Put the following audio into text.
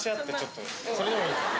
それでもいいですか？